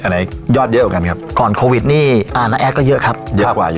ไหนยอดเยอะกว่ากันครับก่อนโควิดนี่อ่าน้าแอดก็เยอะครับเยอะกว่าอยู่